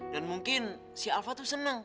dan mungkin si alva tuh seneng